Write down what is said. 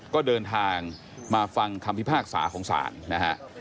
ก็เดินทางมาฟังคำพิพากษาของศาลนะฮะ